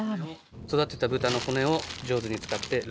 育てた豚の骨を上手に使ってラーメンを。